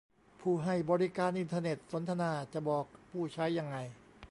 ผู้ให้บริการอินเทอร์เน็ตสนทนา : จะบอกผู้ใช้ยังไง